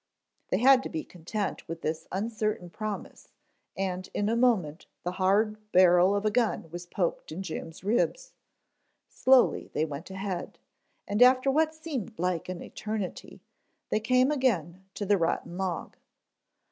They had to be content with this uncertain promise and in a moment the hard barrel of a gun was poked in Jim's ribs. Slowly they went ahead, and after what seemed like an eternity, they came again to the rotten log.